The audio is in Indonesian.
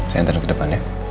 saya ntar di kedepan ya